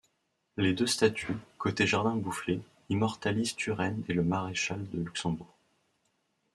Les deux statues, côté jardin Boufflers, immortalisent Turenne et le maréchal de Luxembourg.